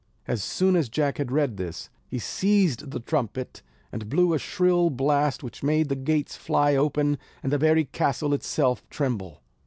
As soon as Jack had read this, he seized the trumpet, and blew a shrill blast which made the gates fly open and the very castle itself tremble.